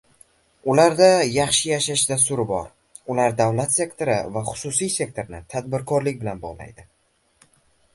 Ularda yaxshi yashash dasturlari bor, ular davlat sektori va xususiy sektorni tadbirkorlar bilan bogʻlaydi.